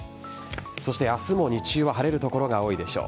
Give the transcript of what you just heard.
そして明日も日中は晴れる所が多いでしょう。